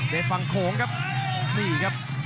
ฝั่งโขงครับนี่ครับ